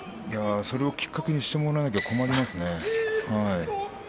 それをきっかけにしてもらわないと困りますね。